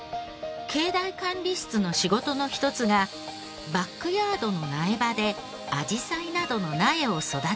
境内管理室の仕事の一つがバックヤードの苗場であじさいなどの苗を育てる作業。